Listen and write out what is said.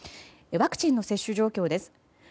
ワクチンの接種状況です。